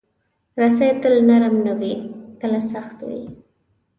رسۍ تل نرم نه وي، کله سخت وي.